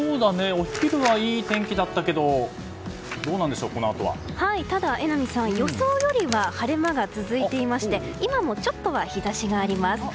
お昼はいい天気だったけどただ榎並さん、予想よりは晴れ間が続いていまして今もちょっとは日差しがあります。